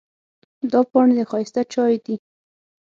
دا پاڼې د ښایسته چایو دي.